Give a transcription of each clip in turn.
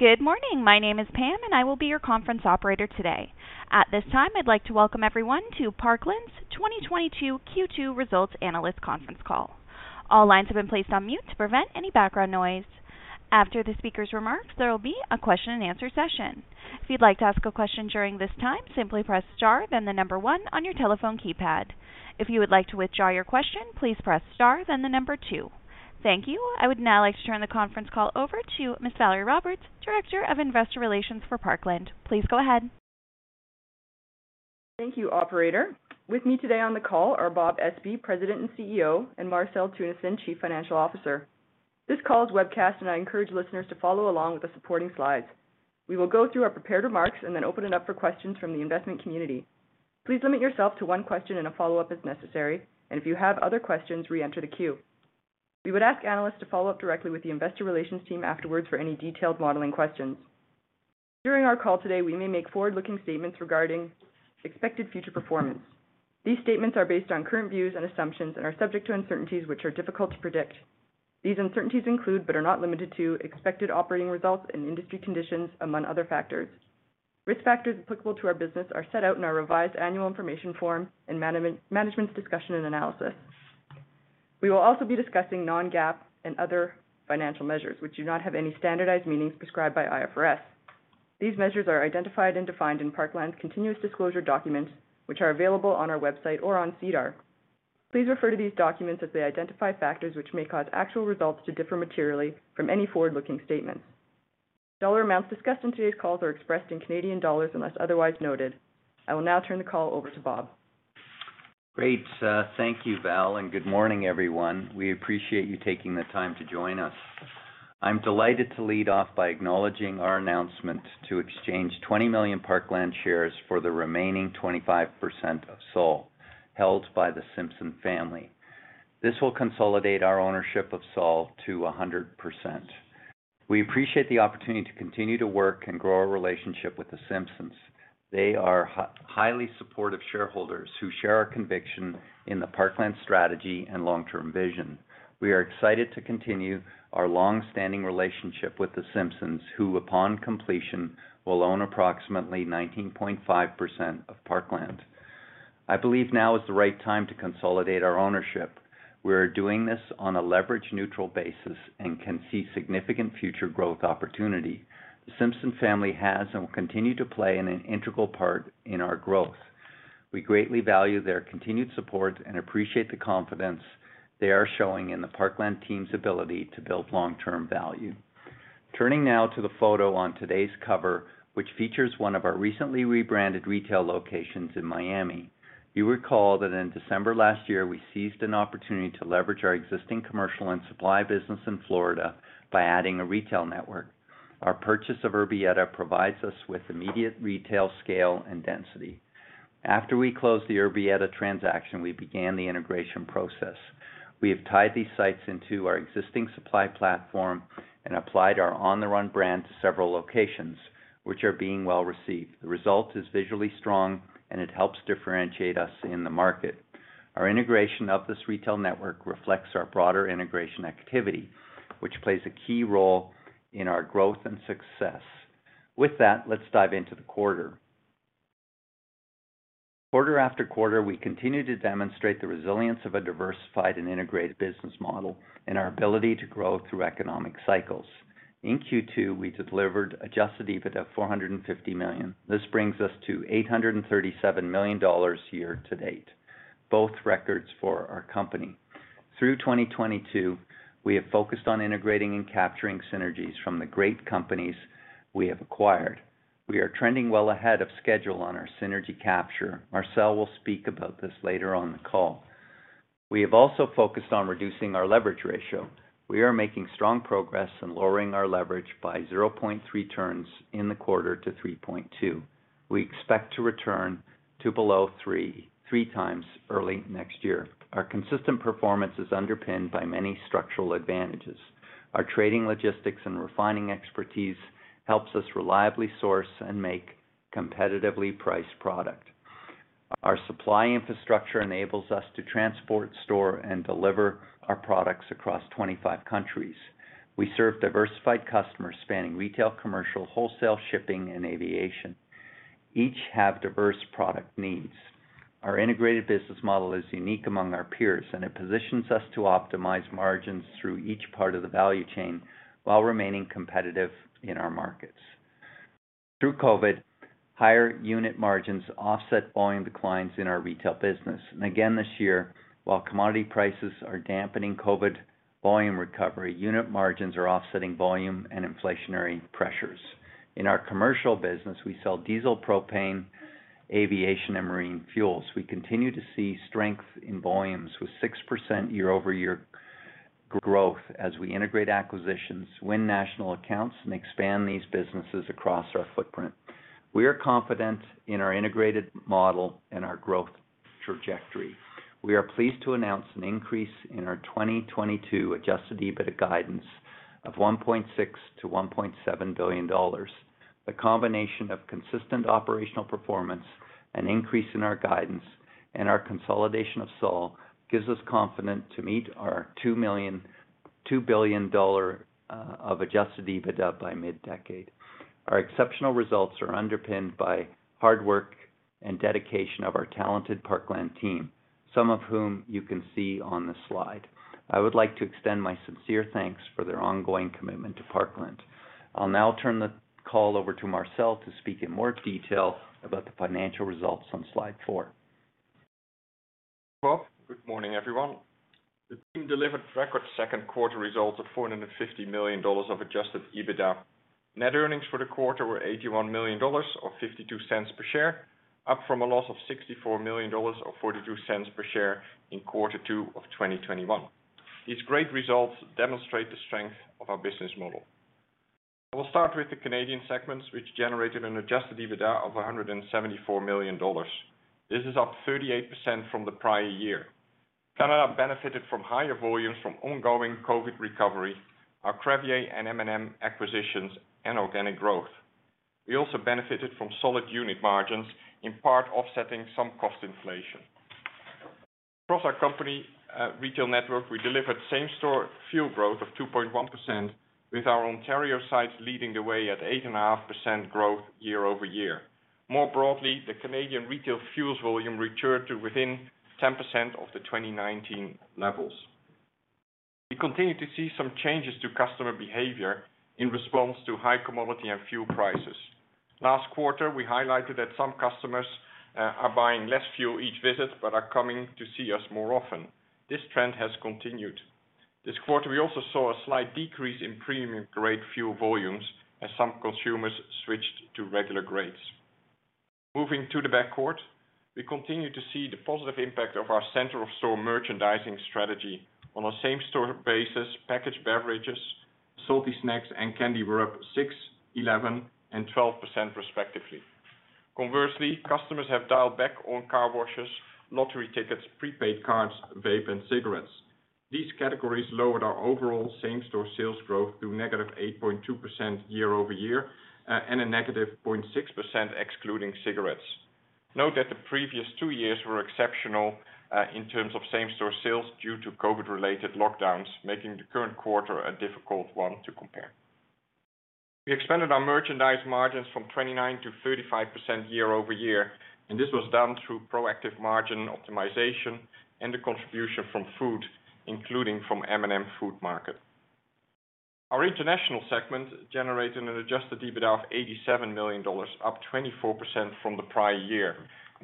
Good morning. My name is Pam, and I will be your conference operator today. At this time, I'd like to welcome everyone to Parkland's 2022 Q2 Results Analyst Conference Call. All lines have been placed on mute to prevent any background noise. After the speakers' remarks, there will be a question-and-answer session. If you'd like to ask a question during this time, simply press star then the number one on your telephone keypad. If you would like to withdraw your question, please press star then the number two. Thank you. I would now like to turn the conference call over to Ms. Valerie Roberts, Director of Investor Relations for Parkland. Please go ahead. Thank you, operator. With me today on the call are Bob Espey, President and CEO, and Marcel Teunissen, Chief Financial Officer. This call is webcast, and I encourage listeners to follow along with the supporting slides. We will go through our prepared remarks and then open it up for questions from the investment community. Please limit yourself to one question and a follow-up as necessary, and if you have other questions, re-enter the queue. We would ask analysts to follow up directly with the investor relations team afterwards for any detailed modeling questions. During our call today, we may make forward-looking statements regarding expected future performance. These statements are based on current views and assumptions and are subject to uncertainties which are difficult to predict. These uncertainties include, but are not limited to, expected operating results and industry conditions, among other factors. Risk factors applicable to our business are set out in our revised annual information form and Management's Discussion and Analysis. We will also be discussing non-GAAP and other financial measures which do not have any standardized meanings prescribed by IFRS. These measures are identified and defined in Parkland's continuous disclosure documents, which are available on our website or on SEDAR. Please refer to these documents as they identify factors which may cause actual results to differ materially from any forward-looking statements. Dollar amounts discussed in today's calls are expressed in Canadian dollars unless otherwise noted. I will now turn the call over to Bob. Great. Thank you, Val, and good morning, everyone. We appreciate you taking the time to join us. I'm delighted to lead off by acknowledging our announcement to exchange 20 million Parkland shares for the remaining 25% of Sol held by the Simpson family. This will consolidate our ownership of Sol to 100%. We appreciate the opportunity to continue to work and grow our relationship with the Simpsons. They are highly supportive shareholders who share our conviction in the Parkland strategy and long-term vision. We are excited to continue our long-standing relationship with the Simpsons, who, upon completion, will own approximately 19.5% of Parkland. I believe now is the right time to consolidate our ownership. We are doing this on a leverage neutral basis and can see significant future growth opportunity. The Simpson family has and will continue to play an integral part in our growth. We greatly value their continued support and appreciate the confidence they are showing in the Parkland team's ability to build long-term value. Turning now to the photo on today's cover, which features one of our recently rebranded retail locations in Miami. You'll recall that in December last year, we seized an opportunity to leverage our existing commercial and supply business in Florida by adding a retail network. Our purchase of Urbieta provides us with immediate retail scale and density. After we closed the Urbieta transaction, we began the integration process. We have tied these sites into our existing supply platform and applied our ON the RUN brand to several locations which are being well received. The result is visually strong, and it helps differentiate us in the market. Our integration of this retail network reflects our broader integration activity, which plays a key role in our growth and success. With that, let's dive into the quarter. Quarter after quarter, we continue to demonstrate the resilience of a diversified and integrated business model and our ability to grow through economic cycles. In Q2, we delivered adjusted EBITDA of 450 million. This brings us to 837 million dollars year to date, both records for our company. Through 2022, we have focused on integrating and capturing synergies from the great companies we have acquired. We are trending well ahead of schedule on our synergy capture. Marcel will speak about this later on the call. We have also focused on reducing our leverage ratio. We are making strong progress in lowering our leverage by 0.3x turns in the quarter to 3.2x. We expect to return to below 3.3x early next year. Our consistent performance is underpinned by many structural advantages. Our trading, logistics, and refining expertise helps us reliably source and make competitively priced product. Our supply infrastructure enables us to transport, store, and deliver our products across 25 countries. We serve diversified customers spanning retail, commercial, wholesale, shipping, and aviation. Each have diverse product needs. Our integrated business model is unique among our peers, and it positions us to optimize margins through each part of the value chain while remaining competitive in our markets. Through COVID, higher unit margins offset volume declines in our retail business. Again, this year, while commodity prices are dampening COVID volume recovery, unit margins are offsetting volume and inflationary pressures. In our commercial business, we sell diesel, propane, aviation, and marine fuels. We continue to see strength in volumes with 6% year-over-year growth as we integrate acquisitions, win national accounts, and expand these businesses across our footprint. We are confident in our integrated model and our growth trajectory. We are pleased to announce an increase in our 2022 adjusted EBITDA guidance of 1.6 billion-1.7 billion dollars. The combination of consistent operational performance, an increase in our guidance, and our consolidation of Sol gives us confidence to meet our 2 billion dollar of adjusted EBITDA by mid-decade. Our exceptional results are underpinned by hard work and dedication of our talented Parkland team, some of whom you can see on the slide. I would like to extend my sincere thanks for their ongoing commitment to Parkland. I'll now turn the call over to Marcel to speak in more detail about the financial results on slide 4. Good morning, everyone. The team delivered record second quarter results of 450 million dollars of adjusted EBITDA. Net earnings for the quarter were 81 million dollars, or 0.52 per share, up from a loss of 64 million dollars or 0.42 per share in quarter two of 2021. These great results demonstrate the strength of our business model. I will start with the Canadian segments, which generated an adjusted EBITDA of 174 million dollars. This is up 38% from the prior year. Canada benefited from higher volumes from ongoing COVID recovery, our Crevier and M&M acquisitions, and organic growth. We also benefited from solid unit margins, in part offsetting some cost inflation. Across our company retail network, we delivered same-store fuel growth of 2.1%, with our Ontario sites leading the way at 8.5% growth year-over-year. More broadly, the Canadian retail fuel volume returned to within 10% of the 2019 levels. We continue to see some changes to customer behavior in response to high commodity and fuel prices. Last quarter, we highlighted that some customers are buying less fuel each visit, but are coming to see us more often. This trend has continued. This quarter, we also saw a slight decrease in premium grade fuel volumes as some consumers switched to regular grades. Moving to the backcourt, we continue to see the positive impact of our center-of-store merchandising strategy. On a same-store basis, packaged beverages, salty snacks, and candy were up 6%, 11%, and 12% respectively. Conversely, customers have dialed back on car washes, lottery tickets, prepaid cards, vape and cigarettes. These categories lowered our overall same-store sales growth to negative 8.2% year-over-year, and a negative 0.6% excluding cigarettes. Note that the previous two years were exceptional, in terms of same-store sales due to COVID-related lockdowns, making the current quarter a difficult one to compare. We expanded our merchandise margins from 29%-35% year-over-year, and this was done through proactive margin optimization and the contribution from food, including from M&M Food Market. Our international segment generated an adjusted EBITDA of 87 million dollars, up 24% from the prior year.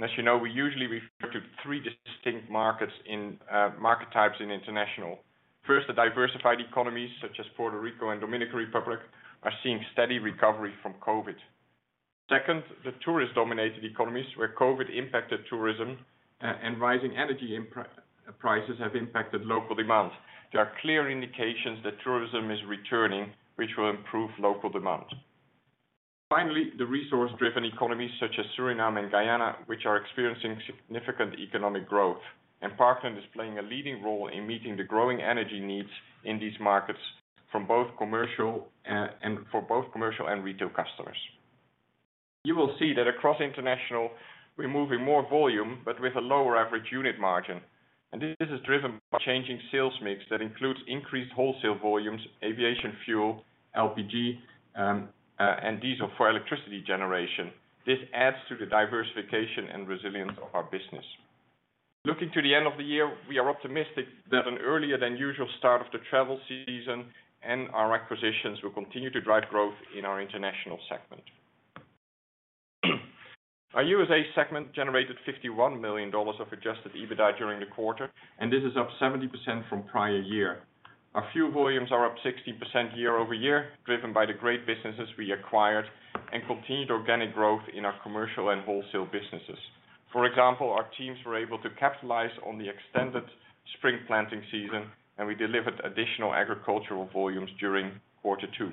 As you know, we usually refer to three distinct markets in market types in international. First, the diversified economies, such as Puerto Rico and Dominican Republic, are seeing steady recovery from COVID. Second, the tourist-dominated economies, where COVID impacted tourism and rising energy prices have impacted local demand. There are clear indications that tourism is returning, which will improve local demand. Finally, the resource-driven economies such as Suriname and Guyana, which are experiencing significant economic growth, and Parkland is playing a leading role in meeting the growing energy needs in these markets for both commercial and retail customers. You will see that across international, we're moving more volume but with a lower average unit margin. This is driven by changing sales mix that includes increased wholesale volumes, aviation fuel, LPG, and diesel for electricity generation. This adds to the diversification and resilience of our business. Looking to the end of the year, we are optimistic that an earlier than usual start of the travel season and our acquisitions will continue to drive growth in our international segment. Our USA segment generated $51 million of adjusted EBITDA during the quarter, and this is up 70% from prior year. Our fuel volumes are up 60% year-over-year, driven by the great businesses we acquired and continued organic growth in our commercial and wholesale businesses. For example, our teams were able to capitalize on the extended spring planting season, and we delivered additional agricultural volumes during quarter two.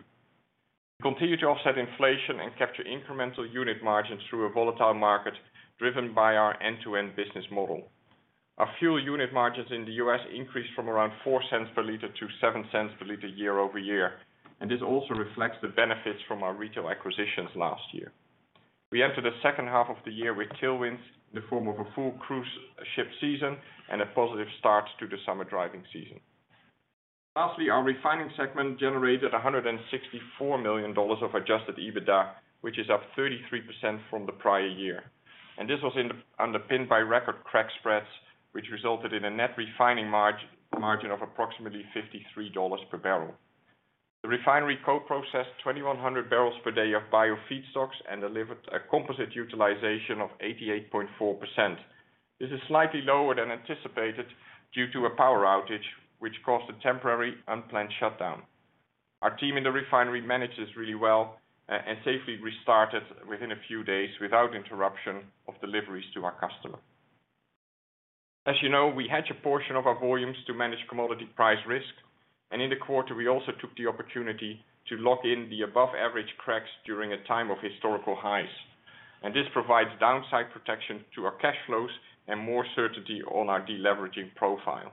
We continue to offset inflation and capture incremental unit margins through a volatile market, driven by our end-to-end business model. Our fuel unit margins in the U.S. increased from around $0.04 per liter to $0.07 per liter year-over-year, and this also reflects the benefits from our retail acquisitions last year. We enter the second half of the year with tailwinds in the form of a full cruise ship season and a positive start to the summer driving season. Lastly, our refining segment generated 164 million dollars of adjusted EBITDA, which is up 33% from the prior year. This was underpinned by record crack spreads, which resulted in a net refining margin of approximately 53 dollars per barrel. The refinery co-processed 2,100 barrels per day of bio feedstocks and delivered a composite utilization of 88.4%. This is slightly lower than anticipated due to a power outage, which caused a temporary unplanned shutdown. Our team in the refinery managed this really well and safely restarted within a few days without interruption of deliveries to our customer. As you know, we hedge a portion of our volumes to manage commodity price risk, and in the quarter, we also took the opportunity to lock in the above-average cracks during a time of historical highs. This provides downside protection to our cash flows and more certainty on our deleveraging profile.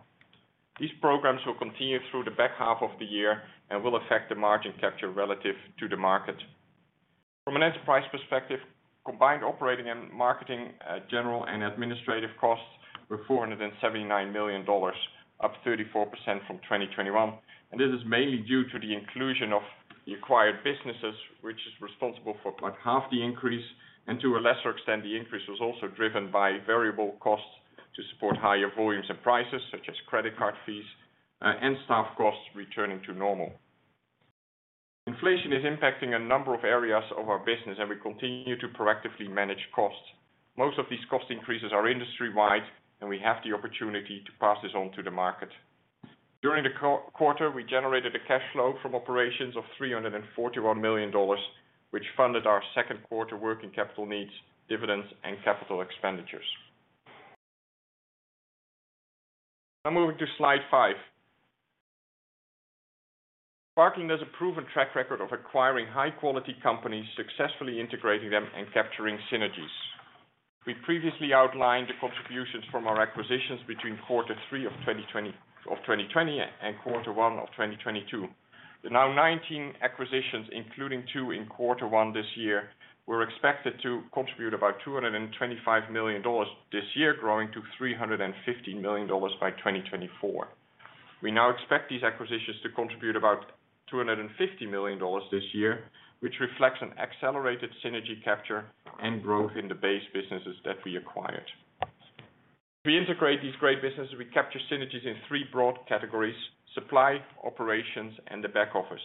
These programs will continue through the back half of the year and will affect the margin capture relative to the market. From an enterprise perspective, combined operating and marketing general and administrative costs were 479 million dollars, up 34% from 2021, and this is mainly due to the inclusion of the acquired businesses, which is responsible for about half the increase. To a lesser extent, the increase was also driven by variable costs to support higher volumes and prices, such as credit card fees, and staff costs returning to normal. Inflation is impacting a number of areas of our business, and we continue to proactively manage costs. Most of these cost increases are industry-wide, and we have the opportunity to pass this on to the market. During the quarter, we generated a cash flow from operations of 341 million dollars, which funded our second quarter working capital needs, dividends and capital expenditures. Now moving to slide 5. Parkland has a proven track record of acquiring high quality companies, successfully integrating them and capturing synergies. We previously outlined the contributions from our acquisitions between quarter three of 2020 and quarter one of 2022. The now 19 acquisitions, including two in quarter one this year, were expected to contribute about 225 million dollars this year, growing to 350 million dollars by 2024. We now expect these acquisitions to contribute about 250 million dollars this year, which reflects an accelerated synergy capture and growth in the base businesses that we acquired. We integrate these great businesses, we capture synergies in three broad categories, supply, operations, and the back office.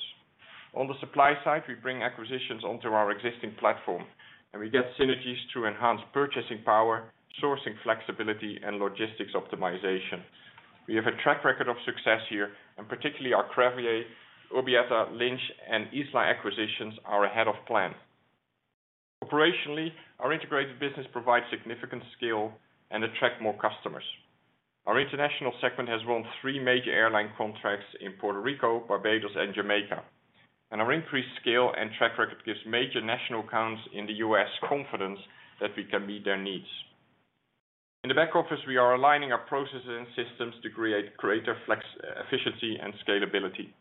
On the supply side, we bring acquisitions onto our existing platform, and we get synergies to enhance purchasing power, sourcing flexibility, and logistics optimization. We have a track record of success here, and particularly our Crevier, Urbieta, Lynch, and Isla acquisitions are ahead of plan. Operationally, our integrated business provides significant scale and attracts more customers. Our international segment has won three major airline contracts in Puerto Rico, Barbados, and Jamaica, and our increased scale and track record gives major national accounts in the U.S. confidence that we can meet their needs. In the back office, we are aligning our processes and systems to create greater flexibility, efficiency, and scalability.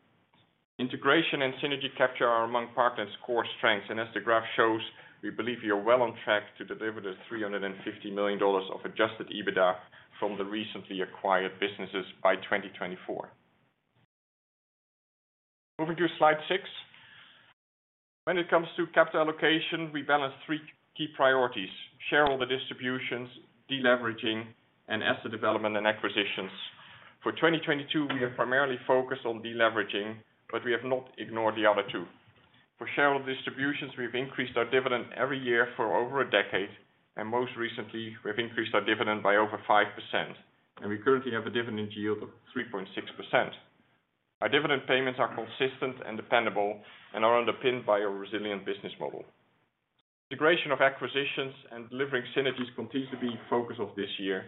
Integration and synergy capture are among Parkland's core strengths, and as the graph shows, we believe we are well on track to deliver 350 million dollars of adjusted EBITDA from the recently acquired businesses by 2024. Moving to slide 6. When it comes to capital allocation, we balance three key priorities, shareholder distributions, deleveraging, and asset development and acquisitions. For 2022, we are primarily focused on deleveraging, but we have not ignored the other two. For shareholder distributions, we've increased our dividend every year for over a decade, and most recently we've increased our dividend by over 5%, and we currently have a dividend yield of 3.6%. Our dividend payments are consistent and dependable and are underpinned by a resilient business model. Integration of acquisitions and delivering synergies continues to be the focus of this year,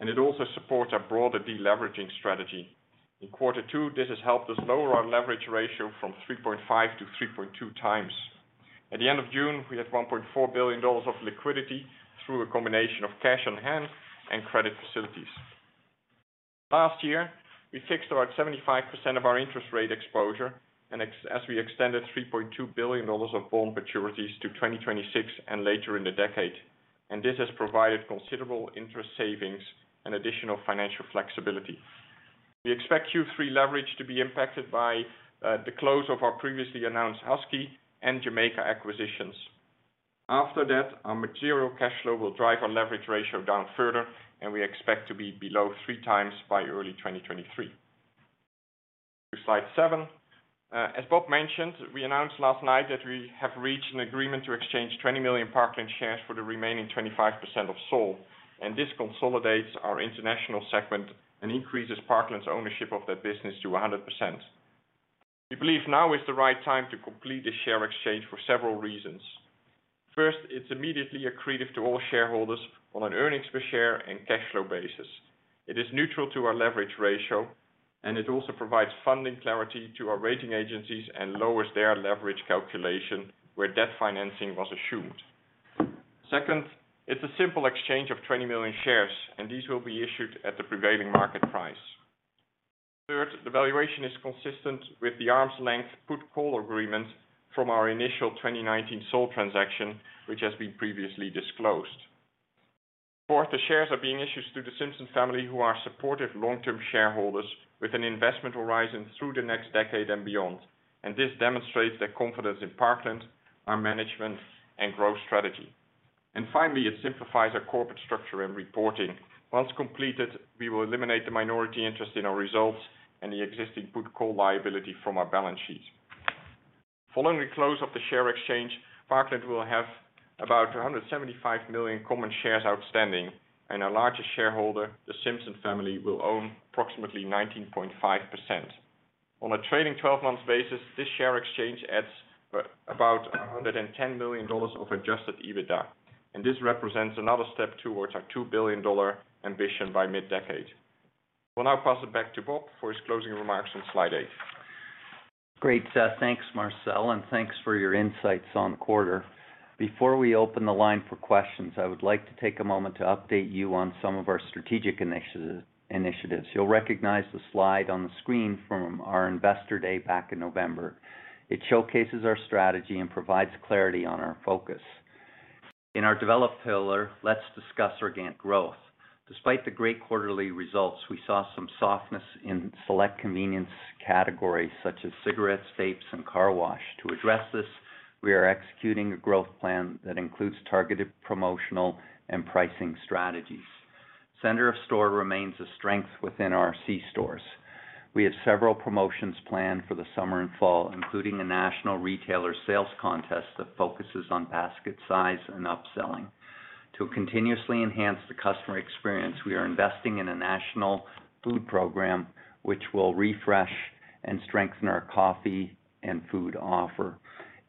and it also supports our broader deleveraging strategy. In quarter two, this has helped us lower our leverage ratio from 3.5x to 3.2x. At the end of June, we had 1.4 billion dollars of liquidity through a combination of cash on hand and credit facilities. Last year, we fixed about 75% of our interest rate exposure and, as we extended 3.2 billion dollars of bond maturities to 2026 and later in the decade. This has provided considerable interest savings and additional financial flexibility. We expect Q3 leverage to be impacted by the close of our previously announced Husky and Jamaica acquisitions. After that, our material cash flow will drive our leverage ratio down further, and we expect to be below 3x by early 2023. To slide 7. As Bob mentioned, we announced last night that we have reached an agreement to exchange 20 million Parkland shares for the remaining 25% of Sol, and this consolidates our international segment and increases Parkland's ownership of that business to 100%. We believe now is the right time to complete the share exchange for several reasons. First, it's immediately accretive to all shareholders on an earnings per share and cash flow basis. It is neutral to our leverage ratio, and it also provides funding clarity to our rating agencies and lowers their leverage calculation where debt financing was assumed. Second, it's a simple exchange of 20 million shares, and these will be issued at the prevailing market price. Third, the valuation is consistent with the arm's length put call agreement from our initial 2019 Sol transaction, which has been previously disclosed. Fourth, the shares are being issued to the Simpson family, who are supportive long-term shareholders with an investment horizon through the next decade and beyond. This demonstrates their confidence in Parkland, our management and growth strategy. Finally, it simplifies our corporate structure and reporting. Once completed, we will eliminate the minority interest in our results and the existing put call liability from our balance sheet. Following the close of the share exchange, Parkland will have about 175 million common shares outstanding, and our largest shareholder, the Simpson family, will own approximately 19.5%. On a trailing 12 months basis, this share exchange adds about 110 million dollars of adjusted EBITDA, and this represents another step towards our 2 billion dollar ambition by mid-decade. We'll now pass it back to Bob for his closing remarks on slide 8. Great. Thanks Marcel, and thanks for your insights on the quarter. Before we open the line for questions, I would like to take a moment to update you on some of our strategic initiatives. You'll recognize the slide on the screen from our Investor Day back in November. It showcases our strategy and provides clarity on our focus. In our developed pillar, let's discuss organic growth. Despite the great quarterly results, we saw some softness in select convenience categories such as cigarettes, vapes, and car wash. To address this, we are executing a growth plan that includes targeted promotional and pricing strategies. Center of store remains a strength within our C stores. We have several promotions planned for the summer and fall, including a national retailer sales contest that focuses on basket size and upselling. To continuously enhance the customer experience, we are investing in a national food program which will refresh and strengthen our coffee and food offer.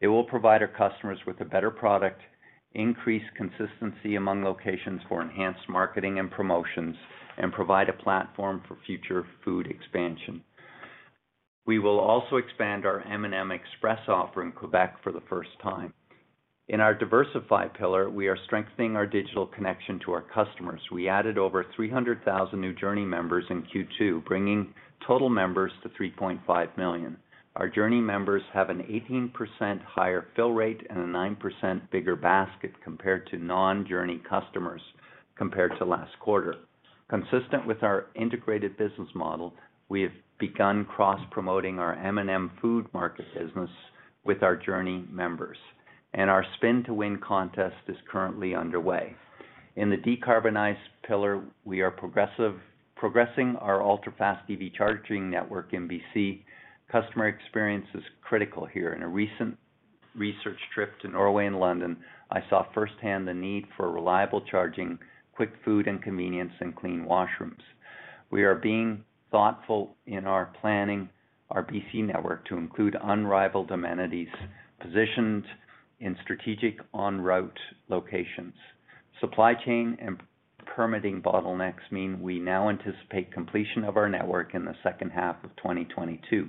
It will provide our customers with a better product, increase consistency among locations for enhanced marketing and promotions, and provide a platform for future food expansion. We will also expand our M&M Express offer in Quebec for the first time. In our diversified pillar, we are strengthening our digital connection to our customers. We added over 300,000 new Journie members in Q2, bringing total members to 3.5 million. Our Journie members have an 18% higher fill rate and a 9% bigger basket compared to non-Journie customers compared to last quarter. Consistent with our integrated business model, we have begun cross-promoting our M&M Food Market business with our Journie members, and our spin-to-win contest is currently underway. In the decarbonize pillar, we are progressing our ultra-fast DC charging network in BC. Customer experience is critical here. In a recent research trip to Norway and London, I saw firsthand the need for reliable charging, quick food and convenience, and clean washrooms. We are being thoughtful in planning our BC network to include unrivaled amenities positioned in strategic on-route locations. Supply chain and permitting bottlenecks mean we now anticipate completion of our network in the second half of 2022.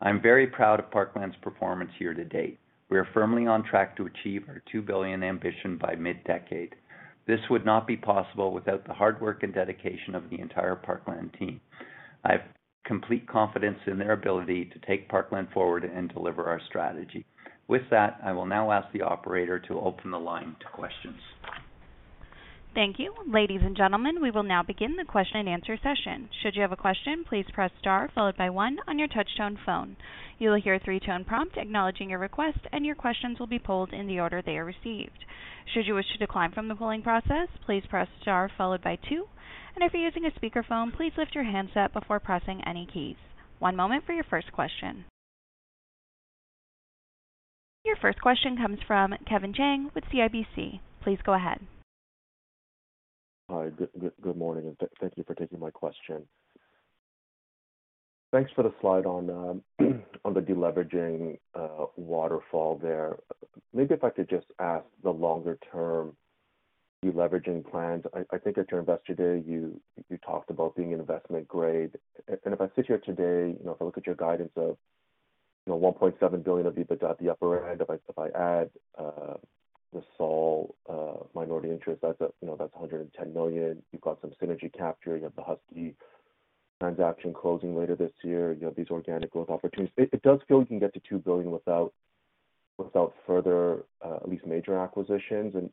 I'm very proud of Parkland's performance here to date. We are firmly on track to achieve our 2 billion ambition by mid-decade. This would not be possible without the hard work and dedication of the entire Parkland team. I have complete confidence in their ability to take Parkland forward and deliver our strategy. With that, I will now ask the operator to open the line to questions. Thank you. Ladies and gentlemen, we will now begin the question and answer session. Should you have a question, please press Star followed by one on your touchtone phone. You will hear a three-tone prompt acknowledging your request, and your questions will be pulled in the order they are received. Should you wish to decline from the polling process, please press Star followed by two. If you're using a speakerphone, please lift your handset before pressing any keys. One moment for your first question. Your first question comes from Kevin Jiang with CIBC. Please go ahead. Hi, good morning, and thank you for taking my question. Thanks for the slide on the deleveraging waterfall there. Maybe if I could just ask the longer-term deleveraging plans. I think at your investor day you talked about being investment-grade. If I sit here today, you know, if I look at your guidance of 1.7 billion of EBITDA at the upper end, if I add the Sol minority interest, that's 110 million. You've got some synergy capture. You've got the Husky transaction closing later this year. You have these organic growth opportunities. It does feel you can get to 2 billion without further at least major acquisitions. So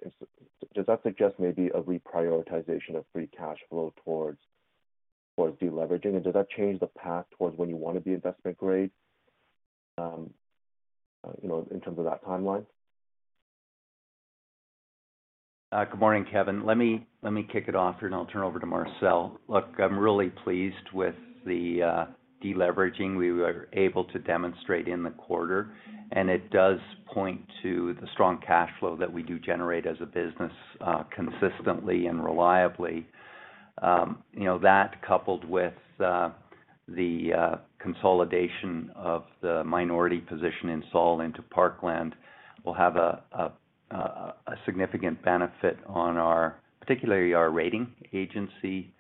does that suggest maybe a reprioritization of free cash flow towards deleveraging? Does that change the path towards when you want to be investment grade, you know, in terms of that timeline? Good morning, Kevin. Let me kick it off here, and I'll turn over to Marcel. Look, I'm really pleased with the deleveraging we were able to demonstrate in the quarter, and it does point to the strong cash flow that we do generate as a business, consistently and reliably. You know, that coupled with the consolidation of the minority position in Sol into Parkland will have a significant benefit on our, particularly our rating agency,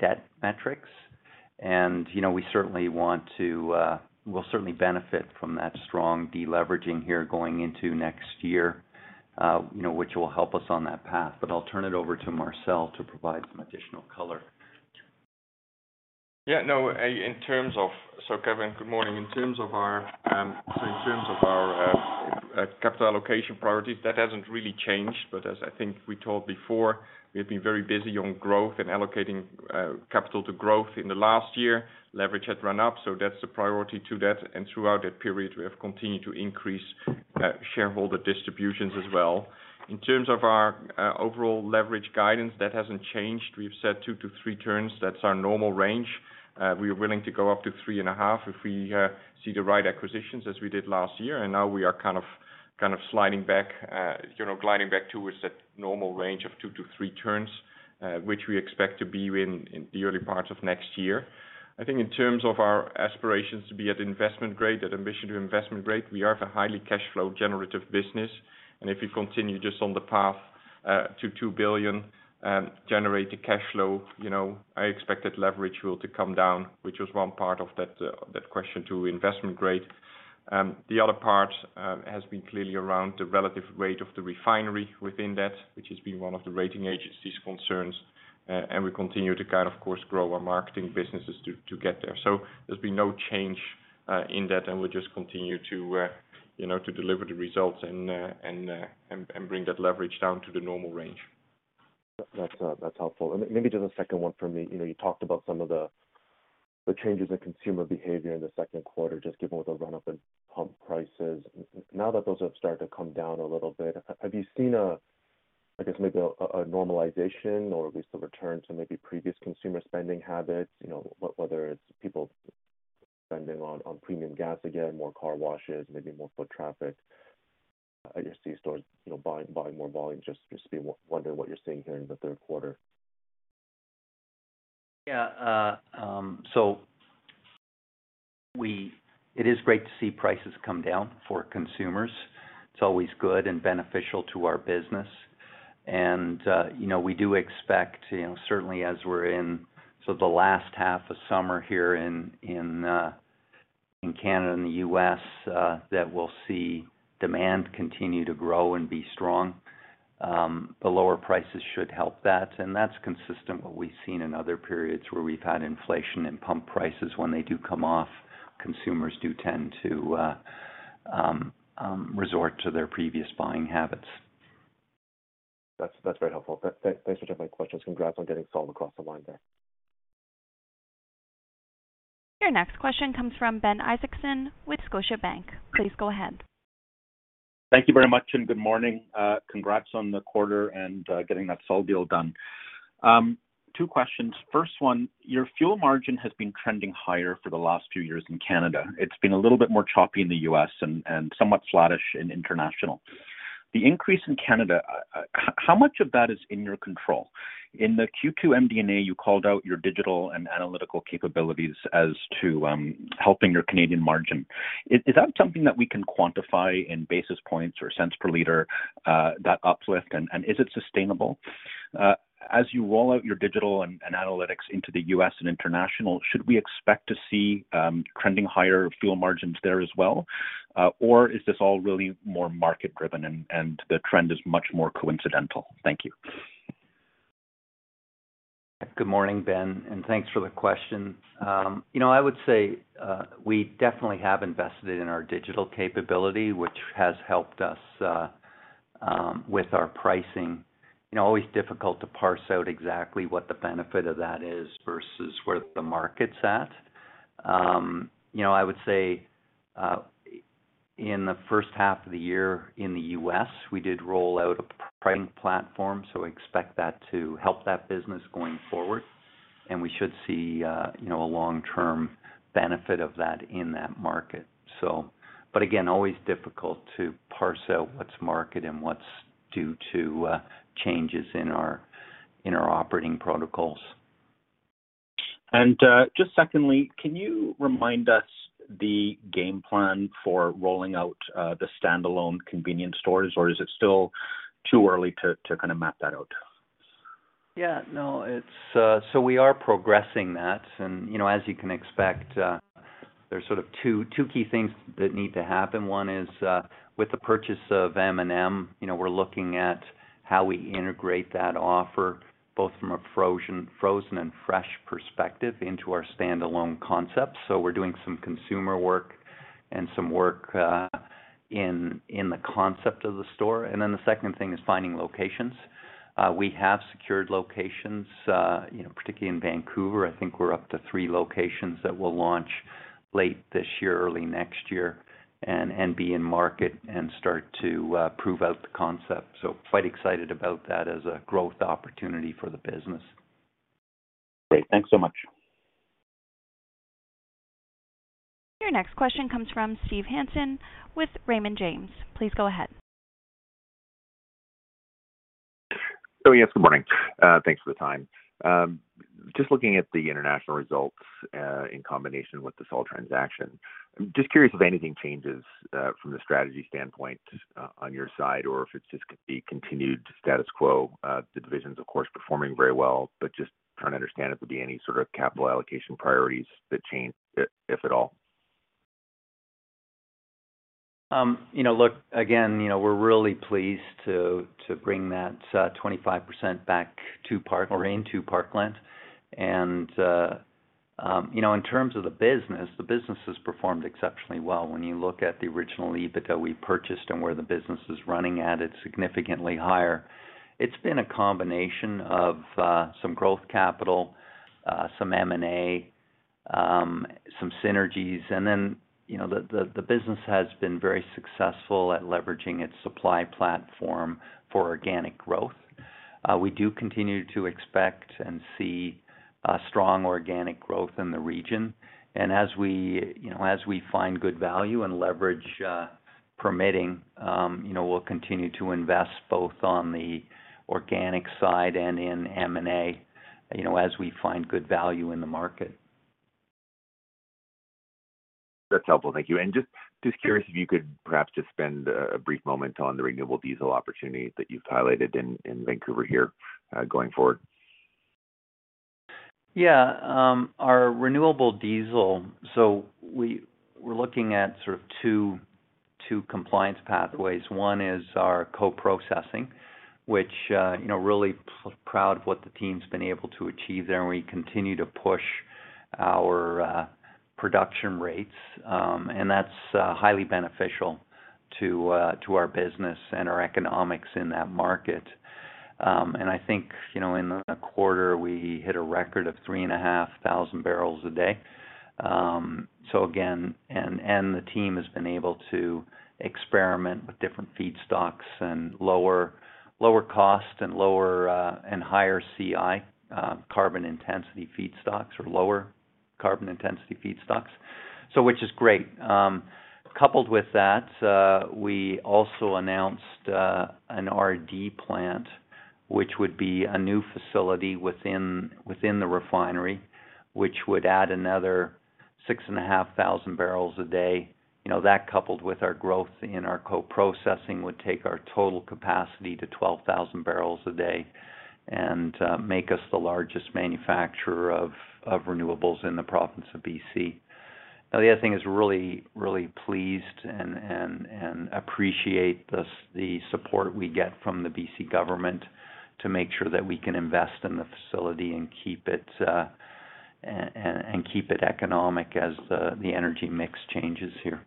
debt metrics. You know, we certainly will benefit from that strong deleveraging here going into next year, which will help us on that path. I'll turn it over to Marcel to provide some additional color. Kevin, good morning. In terms of our capital allocation priorities, that hasn't really changed. As I think we told before, we've been very busy on growth and allocating capital to growth in the last year. Leverage had run up, so that's the priority to that. Throughout that period, we have continued to increase shareholder distributions as well. In terms of our overall leverage guidance, that hasn't changed. We've said 2x-3x turns. That's our normal range. We are willing to go up to 3.5x if we see the right acquisitions as we did last year. Now we are kind of sliding back, you know, gliding back towards that normal range of 2x-3x turns, which we expect to be in the early parts of next year. I think in terms of our aspirations to be at investment grade, that ambition to investment grade, we are a highly cash flow generative business. If we continue just on the path to 2 billion generate the cash flow. You know, I expect that leverage will too come down, which was one part of that question to investment grade. The other part has been clearly around the relative weight of the refinery within that, which has been one of the rating agency's concerns. We continue to guide, of course, grow our marketing businesses to get there. There's been no change in that, and we just continue to you know, to deliver the results and bring that leverage down to the normal range. That's helpful. Maybe just a second one for me. You talked about some of the changes in consumer behavior in the second quarter, just given the run-up in pump prices. Now that those have started to come down a little bit, have you seen a normalization or at least a return to previous consumer spending habits, you know, whether it's people spending on premium gas, again, more car washes, maybe more foot traffic? Do you start buying more volume? Just wondering what you're seeing here in the third quarter. Yeah. It is great to see prices come down for consumers. It's always good and beneficial to our business. You know, we do expect, you know, certainly as we're in sort of the last half a summer here in Canada and the U.S., that we'll see demand continue to grow and be strong. The lower prices should help that. That's consistent what we've seen in other periods where we've had inflation and pump prices. When they do come off, consumers do tend to resort to their previous buying habits. That's very helpful. Thanks for taking my questions. Congrats on getting Sol across the line there. Your next question comes from Ben Isaacson with Scotiabank. Please go ahead. Thank you very much, and good morning. Congrats on the quarter and getting that Sol deal done. Two questions. First one, your fuel margin has been trending higher for the last few years in Canada. It's been a little bit more choppy in the U.S. and somewhat flattish in international. The increase in Canada, how much of that is in your control? In the Q2 MD&A, you called out your digital and analytical capabilities as to helping your Canadian margin. Is that something that we can quantify in basis points or cents per liter, that uplift? And is it sustainable? As you roll out your digital and analytics into the U.S. and international, should we expect to see trending higher fuel margins there as well? Is this all really more market-driven and the trend is much more coincidental? Thank you. Good morning, Ben, and thanks for the question. You know, I would say we definitely have invested in our digital capability, which has helped us with our pricing. You know, always difficult to parse out exactly what the benefit of that is versus where the market's at. You know, I would say in the first half of the year in the U.S., we did roll out a pricing platform, so expect that to help that business going forward. We should see you know, a long-term benefit of that in that market. Again, always difficult to parse out what's market and what's due to changes in our operating protocols. Just secondly, can you remind us the game plan for rolling out the standalone convenience stores, or is it still too early to kind of map that out? Yeah. No, it's we are progressing that. You know, as you can expect, there's sort of two key things that need to happen. One is with the purchase of M&M, you know, we're looking at how we integrate that offer, both from a frozen and fresh perspective into our standalone concept. We're doing some consumer work and some work in the concept of the store. Then the second thing is finding locations. We have secured locations, you know, particularly in Vancouver. I think we're up to three locations that we'll launch late this year, early next year and be in market and start to prove out the concept. Quite excited about that as a growth opportunity for the business. Great. Thanks so much. Your next question comes from Steve Hansen with Raymond James. Please go ahead. Oh, yes. Good morning. Thanks for the time. Just looking at the international results in combination with this whole transaction. Just curious if anything changes from the strategy standpoint on your side or if it's just the continued status quo. The division's of course performing very well, but just trying to understand if there'd be any sort of capital allocation priorities that change, if at all. You know, look, again, you know, we're really pleased to bring that 25% back to Parkland. In terms of the business, the business has performed exceptionally well. When you look at the original EBITDA we purchased and where the business is running at, it's significantly higher. It's been a combination of some growth capital, some M&A, some synergies. You know, the business has been very successful at leveraging its supply platform for organic growth. We do continue to expect and see a strong organic growth in the region. As we, you know, as we find good value and leverage permitting, you know, we'll continue to invest both on the organic side and in M&A, you know, as we find good value in the market. That's helpful. Thank you. Just curious if you could perhaps just spend a brief moment on the renewable diesel opportunity that you've highlighted in Vancouver here, going forward. Yeah. Our renewable diesel. We're looking at sort of two compliance pathways. One is our co-processing, which you know, really sort of proud of what the team's been able to achieve there, and we continue to push our production rates. That's highly beneficial to our business and our economics in that market. I think, you know, in a quarter, we hit a record of 3,500 barrels a day. The team has been able to experiment with different feedstocks and lower cost and lower and higher CI carbon intensity feedstocks or lower carbon intensity feedstocks. Which is great. Coupled with that, we also announced an RD plant, which would be a new facility within the refinery, which would add another 6,500 barrels a day. You know, that coupled with our growth in our co-processing, would take our total capacity to 12,000 barrels a day and make us the largest manufacturer of renewables in the province of BC. Now, the other thing is really pleased and appreciate the support we get from the BC government to make sure that we can invest in the facility and keep it economic as the energy mix changes here.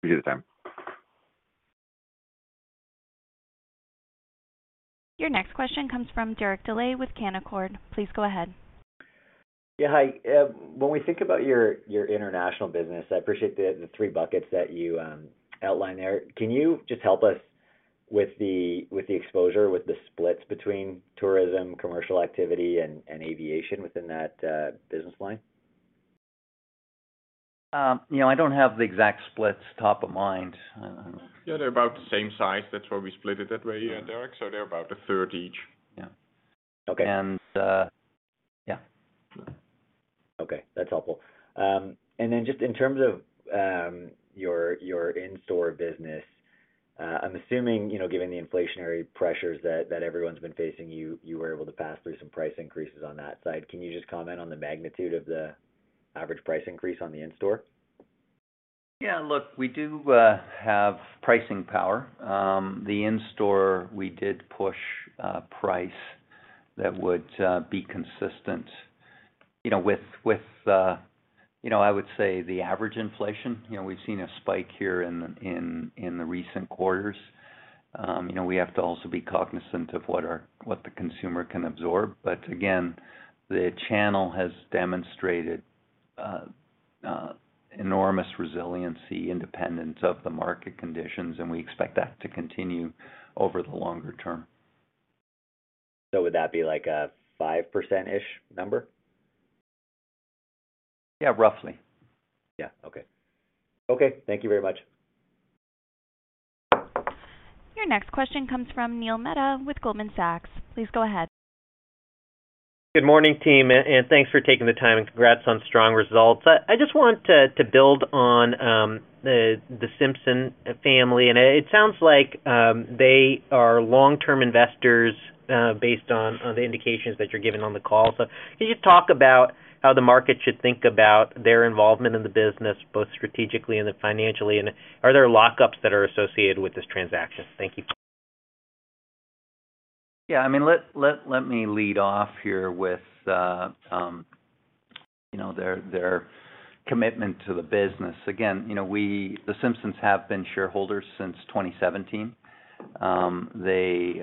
Appreciate the time. Your next question comes from Derek Dley with Canaccord. Please go ahead. Yeah, hi. When we think about your international business, I appreciate the three buckets that you outlined there. Can you just help us with the exposure, with the splits between tourism, commercial activity and aviation within that business line? You know, I don't have the exact splits top of mind. I don't know. Yeah, they're about the same size. That's why we split it that way, Derek. They're about a third each. Okay. That's helpful. Just in terms of your in-store business, I'm assuming, you know, given the inflationary pressures that everyone's been facing, you were able to pass through some price increases on that side. Can you just comment on the magnitude of the average price increase on the in-store? Yeah, look, we do have pricing power. The in-store, we did push price that would be consistent, you know, with you know, I would say the average inflation. You know, we've seen a spike here in the recent quarters. We have to also be cognizant of what the consumer can absorb. Again, the channel has demonstrated enormous resiliency independent of the market conditions, and we expect that to continue over the longer term. Would that be like a 5%-ish number? Yeah, roughly. Yeah. Okay. Thank you very much. Your next question comes from Neil Mehta with Goldman Sachs. Please go ahead. Good morning, team, and thanks for taking the time, and congrats on strong results. I just want to build on the Simpson family. It sounds like they are long-term investors based on the indications that you're giving on the call. Can you just talk about how the market should think about their involvement in the business, both strategically and then financially? Are there lockups that are associated with this transaction? Thank you. Yeah, I mean, let me lead off here with, you know, their commitment to the business. Again, you know, The Simpson family have been shareholders since 2017. They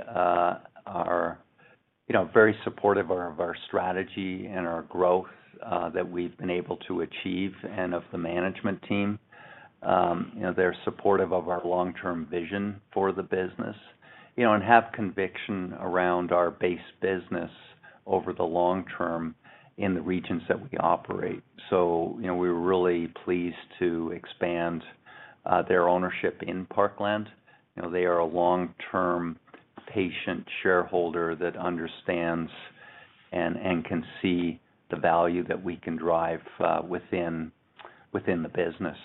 are, you know, very supportive of our strategy and our growth that we've been able to achieve and of the management team. You know, they're supportive of our long-term vision for the business, you know, and have conviction around our base business over the long term in the regions that we operate. You know, we're really pleased to expand their ownership in Parkland. You know, they are a long-term patient shareholder that understands and can see the value that we can drive within the business.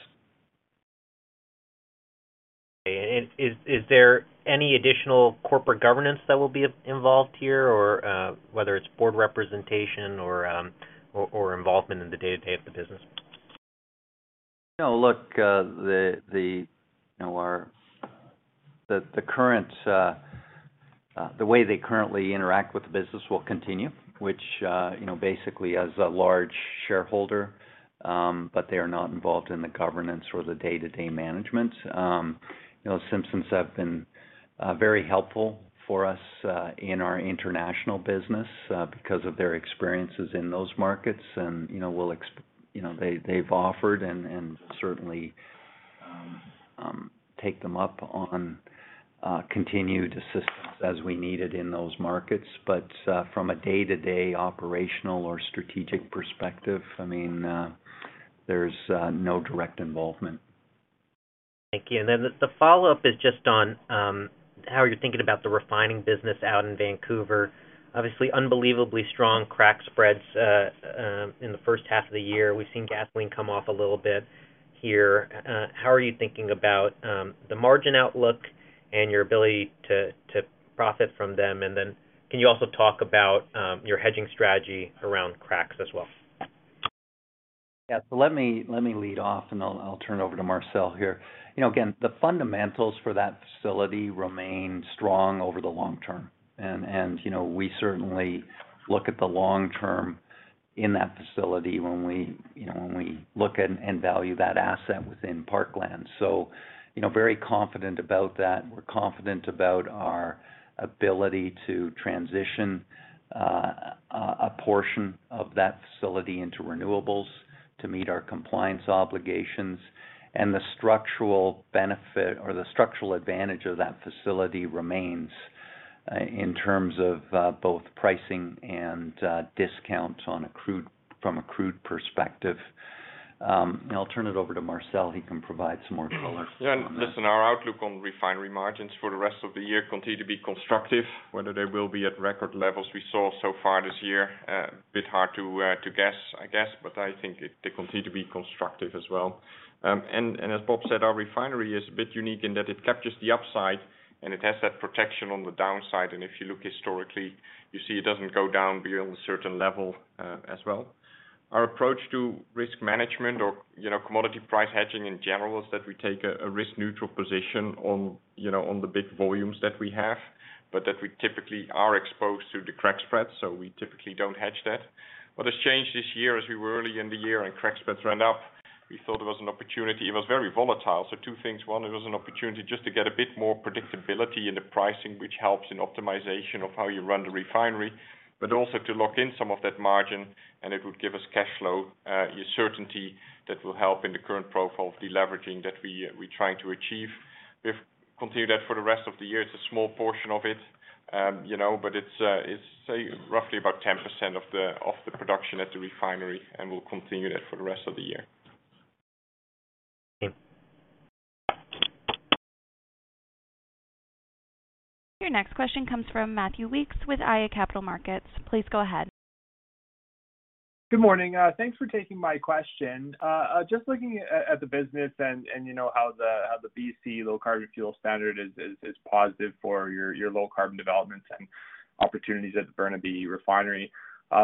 Is there any additional corporate governance that will be involved here or whether it's board representation or involvement in the day-to-day of the business? You know, look, the way they currently interact with the business will continue, which you know, basically as a large shareholder, but they are not involved in the governance or the day-to-day management. You know, the Simpson family have been very helpful for us in our international business because of their experiences in those markets. You know, they've offered and certainly take them up on continued assistance as we need it in those markets. From a day-to-day operational or strategic perspective, I mean, there's no direct involvement. Thank you. The follow-up is just on how are you thinking about the refining business out in Vancouver? Obviously unbelievably strong crack spreads in the first half of the year. We've seen gasoline come off a little bit here. How are you thinking about the margin outlook and your ability to profit from them? Can you also talk about your hedging strategy around cracks as well? Yeah. Let me lead off and I'll turn over to Marcel here. You know, again, the fundamentals for that facility remain strong over the long term. You know, we certainly look at the long term in that facility when we, you know, when we look at and value that asset within Parkland. You know, very confident about that. We're confident about our ability to transition a portion of that facility into renewables to meet our compliance obligations. The structural benefit or the structural advantage of that facility remains in terms of both pricing and discounts from a crude perspective. I'll turn it over to Marcel. He can provide some more color. Yeah. Listen, our outlook on refinery margins for the rest of the year continue to be constructive. Whether they will be at record levels we saw so far this year, a bit hard to guess, I guess, but I think they continue to be constructive as well. As Bob said, our refinery is a bit unique in that it captures the upside and it has that protection on the downside. If you look historically, you see it doesn't go down beyond a certain level, as well. Our approach to risk management or, you know, commodity price hedging in general is that we take a risk neutral position on, you know, on the big volumes that we have, but that we typically are exposed to the crack spreads, so we typically don't hedge that. What has changed this year, as we were early in the year and crack spreads ran up, we thought it was an opportunity. It was very volatile. Two things. One, it was an opportunity just to get a bit more predictability in the pricing, which helps in optimization of how you run the refinery, but also to lock in some of that margin and it would give us cash flow certainty that will help in the current profile of deleveraging that we're trying to achieve. We've continued that for the rest of the year. It's a small portion of it, you know, but it's say roughly about 10% of the production at the refinery, and we'll continue that for the rest of the year. Thanks. Your next question comes from Matthew Weekes with iA Capital Markets. Please go ahead. Good morning. Thanks for taking my question. Just looking at the business and you know how the BC Low Carbon Fuel Standard is positive for your low carbon developments and opportunities at the Burnaby Refinery.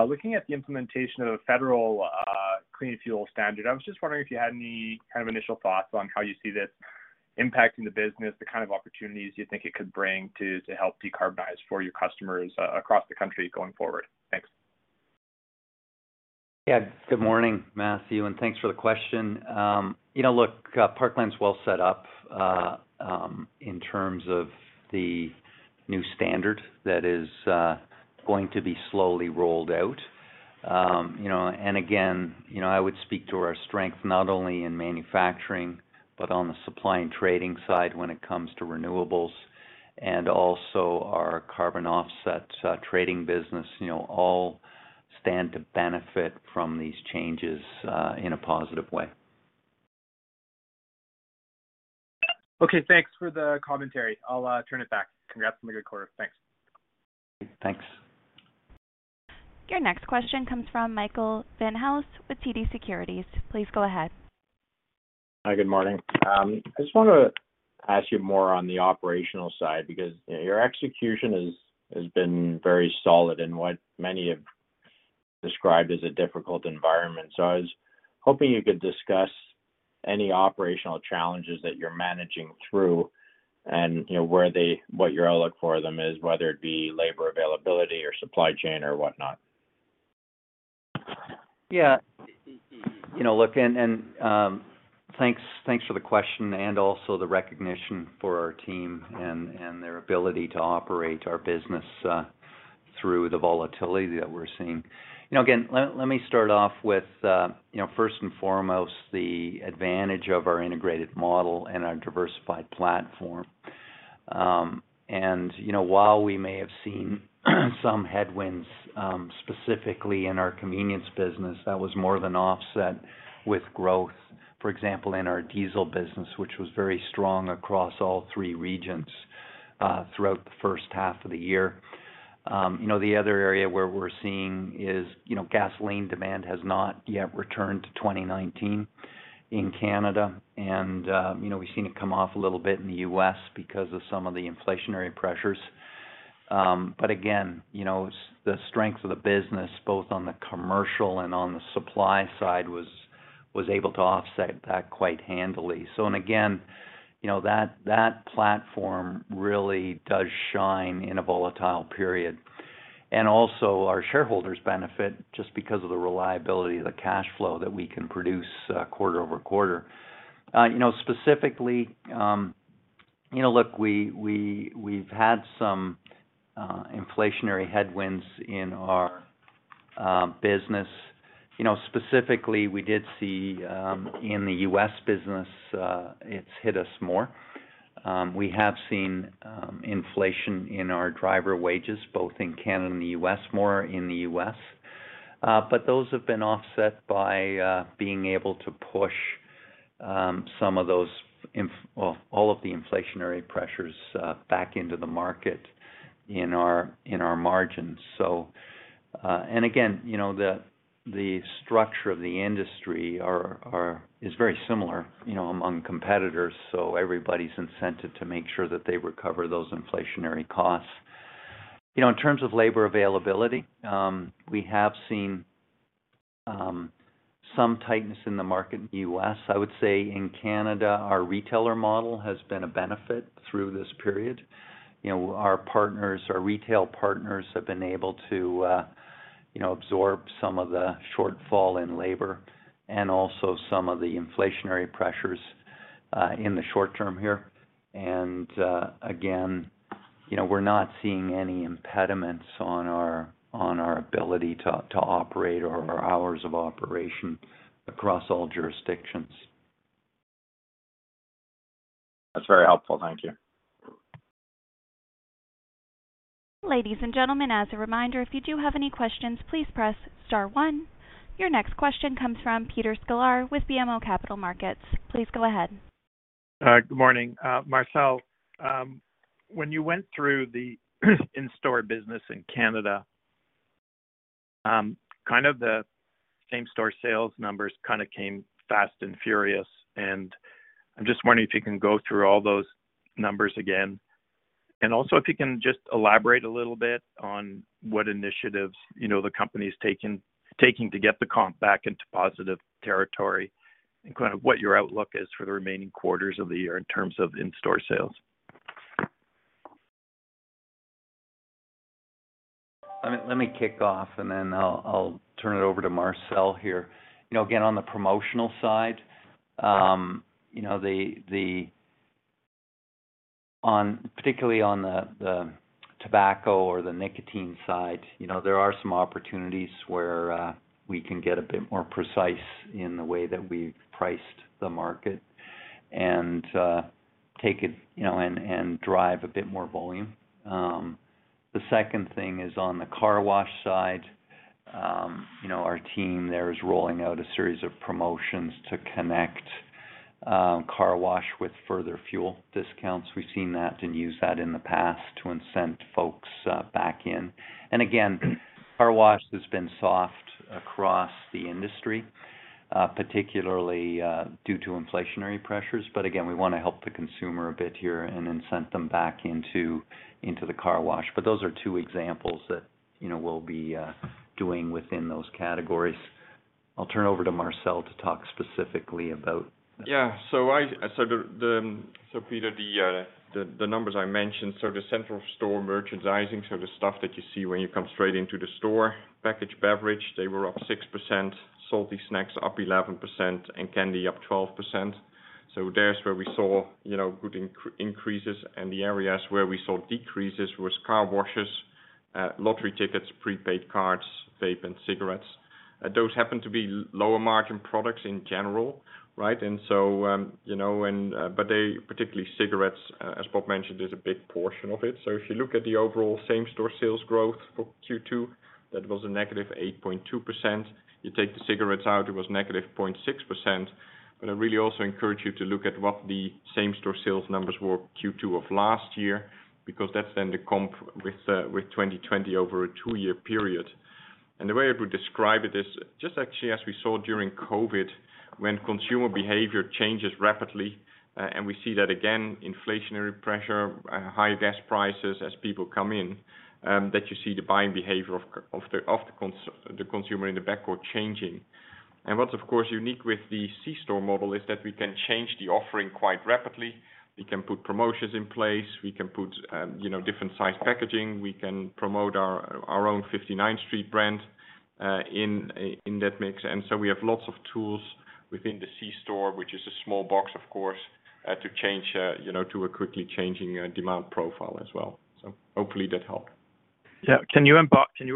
Looking at the implementation of a federal Clean Fuel Regulations, I was just wondering if you had any kind of initial thoughts on how you see this impacting the business, the kind of opportunities you think it could bring to help decarbonize for your customers across the country going forward. Thanks. Yeah. Good morning, Matthew, and thanks for the question. You know, look, Parkland's well set up in terms of the new standard that is going to be slowly rolled out. You know, again, you know, I would speak to our strength not only in manufacturing, but on the supply and trading side when it comes to renewables and also our carbon offsets trading business, you know, all stand to benefit from these changes in a positive way. Okay. Thanks for the commentary. I'll turn it back. Congrats on the good quarter. Thanks. Thanks. Your next question comes from Michael Van Aelst with TD Securities. Please go ahead. Hi, good morning. I just wanna ask you more on the operational side because, you know, your execution has been very solid in what many have described as a difficult environment. I was hoping you could discuss any operational challenges that you're managing through and, you know, what your outlook for them is, whether it be labor availability or supply chain or whatnot. Yeah. You know, look, thanks for the question and also the recognition for our team and their ability to operate our business through the volatility that we're seeing. You know, again, let me start off with you know, first and foremost the advantage of our integrated model and our diversified platform. You know, while we may have seen some headwinds specifically in our convenience business, that was more than offset with growth, for example, in our diesel business, which was very strong across all three regions throughout the first half of the year. You know, the other area where we're seeing is you know, gasoline demand has not yet returned to 2019 in Canada. You know, we've seen it come off a little bit in the U.S. because of some of the inflationary pressures. Again, you know, the strength of the business, both on the commercial and on the supply side, was able to offset that quite handily. Again, you know, that platform really does shine in a volatile period. Our shareholders benefit just because of the reliability of the cash flow that we can produce, quarter-over-quarter. You know, specifically, look, we've had some inflationary headwinds in our business. You know, specifically, we did see in the U.S. business, it's hit us more. We have seen inflation in our driver wages, both in Canada and the U.S., more in the U.S. Those have been offset by being able to push all of the inflationary pressures back into the market in our margins. Again, you know, the structure of the industry is very similar, you know, among competitors, so everybody's incented to make sure that they recover those inflationary costs. You know, in terms of labor availability, we have seen some tightness in the market in the U.S. I would say in Canada, our retailer model has been a benefit through this period. You know, our partners, our retail partners have been able to, you know, absorb some of the shortfall in labor and also some of the inflationary pressures in the short term here. Again, you know, we're not seeing any impediments on our ability to operate or our hours of operation across all jurisdictions. That's very helpful. Thank you. Ladies and gentlemen, as a reminder, if you do have any questions, please press star one. Your next question comes from Peter Sklar with BMO Capital Markets. Please go ahead. Good morning. Marcel, when you went through the in-store business in Canada, kind of the same-store sales numbers kind of came fast and furious. I'm just wondering if you can go through all those numbers again. Also, if you can just elaborate a little bit on what initiatives, you know, the company's taking to get the comp back into positive territory and kind of what your outlook is for the remaining quarters of the year in terms of in-store sales. Let me kick off, and then I'll turn it over to Marcel here. You know, again, on the promotional side, you know, particularly on the tobacco or the nicotine side, you know, there are some opportunities where we can get a bit more precise in the way that we've priced the market and take it, you know, and drive a bit more volume. The second thing is on the car wash side. You know, our team there is rolling out a series of promotions to connect car wash with further fuel discounts. We've seen that and used that in the past to incent folks back in. Again, car wash has been soft across the industry, particularly due to inflationary pressures. Again, we wanna help the consumer a bit here and incent them back into the car wash. Those are two examples that, you know, we'll be doing within those categories. I'll turn over to Marcel to talk specifically about. Peter, the numbers I mentioned, the central store merchandising, the stuff that you see when you come straight into the store. Packaged beverage, they were up 6%, salty snacks up 11%, and candy up 12%. That's where we saw good increases. The areas where we saw decreases was car washes, lottery tickets, prepaid cards, vape, and cigarettes. Those happen to be lower margin products in general, right? Particularly cigarettes, as Bob mentioned, is a big portion of it. If you look at the overall same-store sales growth for Q2, that was -8.2%. You take the cigarettes out, it was -0.6%. I really also encourage you to look at what the same-store sales numbers were Q2 of last year, because that's then the comp with 2020 over a two-year period. The way I would describe it is just actually as we saw during COVID, when consumer behavior changes rapidly, and we see that again, inflationary pressure, high gas prices as people come in, that you see the buying behavior of the consumer backward changing. What's of course unique with the C-store model is that we can change the offering quite rapidly. We can put promotions in place. We can put you know different sized packaging. We can promote our own 59th Street brand in that mix. We have lots of tools within the C-store, which is a small box, of course, to change, you know, to a quickly changing demand profile as well. Hopefully that helped. Yeah. Can you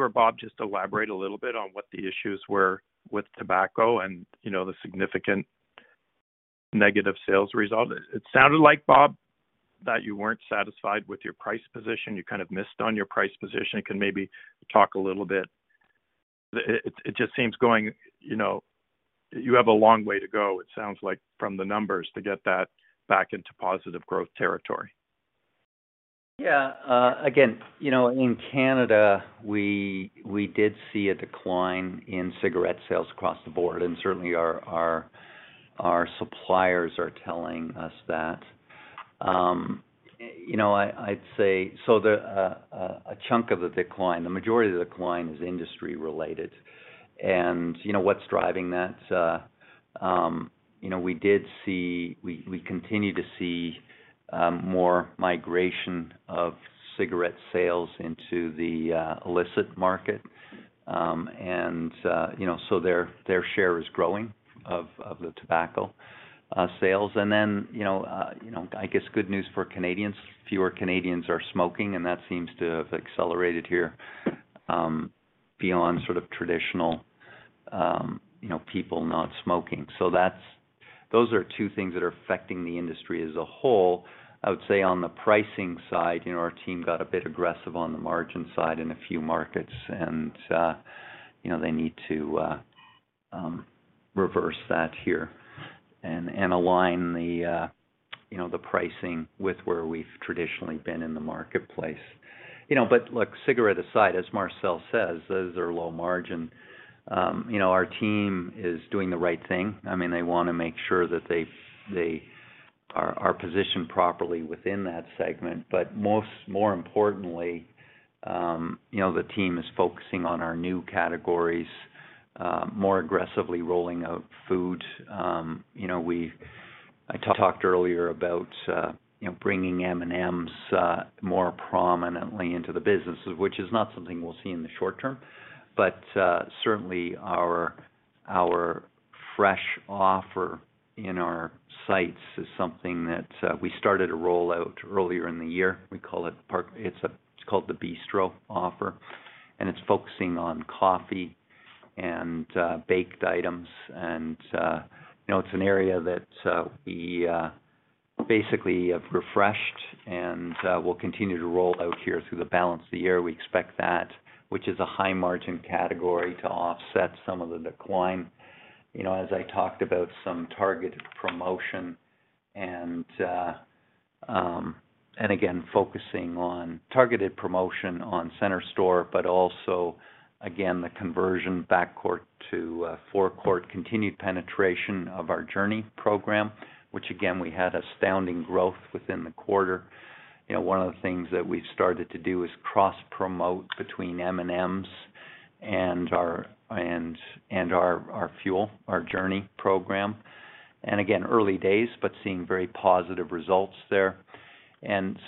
or Bob just elaborate a little bit on what the issues were with tobacco and, you know, the significant negative sales result? It sounded like, Bob, that you weren't satisfied with your price position. You kind of missed on your price position. You can maybe talk a little bit. It just seems going, you know, you have a long way to go, it sounds like, from the numbers to get that back into positive growth territory. Yeah. Again, you know, in Canada, we did see a decline in cigarette sales across the board, and certainly our suppliers are telling us that. You know, I'd say a chunk of the decline, the majority of the decline is industry related. You know, what's driving that? You know, we did see, we continue to see more migration of cigarette sales into the illicit market. You know, their share is growing of the tobacco sales. You know, I guess good news for Canadians, fewer Canadians are smoking, and that seems to have accelerated here, beyond sort of traditional, you know, people not smoking. That's those are two things that are affecting the industry as a whole. I would say on the pricing side, you know, our team got a bit aggressive on the margin side in a few markets and, you know, they need to reverse that here and align the, you know, the pricing with where we've traditionally been in the marketplace. You know, look, cigarettes aside, as Marcel says, those are low margin. You know, our team is doing the right thing. I mean, they want to make sure that they are positioned properly within that segment. More importantly, you know, the team is focusing on our new categories more aggressively rolling out food. You know, I talked earlier about, you know, bringing M&M's more prominently into the business, which is not something we'll see in the short term. Certainly our fresh offer in our sites is something that we started a rollout earlier in the year. It's called the Bistro offer, and it's focusing on coffee and baked items and you know it's an area that we basically have refreshed and we'll continue to roll out here through the balance of the year. We expect that, which is a high margin category, to offset some of the decline. You know, as I talked about some targeted promotion and again focusing on targeted promotion on center store, but also again the conversion backcourt to forecourt continued penetration of our Journie program, which again we had astounding growth within the quarter. You know, one of the things that we've started to do is cross-promote between M&M's and our fuel, our Journie program. Again, early days, but seeing very positive results there.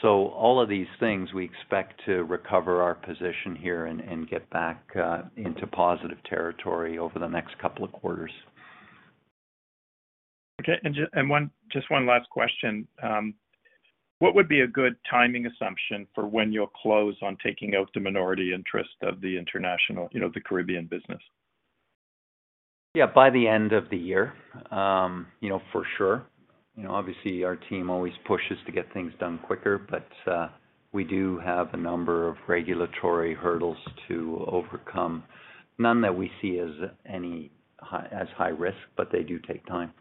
All of these things, we expect to recover our position here and get back into positive territory over the next couple of quarters. Okay. Just one last question. What would be a good timing assumption for when you'll close on taking out the minority interest of the international, you know, the Caribbean business? Yeah, by the end of the year, you know, for sure. You know, obviously, our team always pushes to get things done quicker, but we do have a number of regulatory hurdles to overcome. None that we see as any high risk, but they do take time.